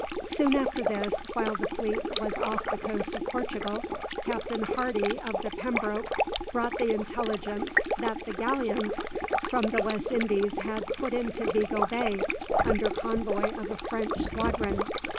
Soon after this, while the fleet was off the coast of Portugal, Captain Hardy of the "Pembroke" brought the intelligence that the galleons from the West Indies had put into Vigo Bay, under convoy of a French squadron.